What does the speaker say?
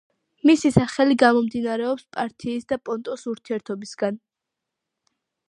მისი სახელი გამომდინარეობს პართიის და პონტოს ურთიერთობისგან.